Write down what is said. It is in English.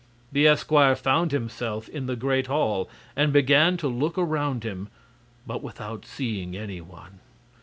The esquire found himself in the great hall and began to look around him, but without seeing any one.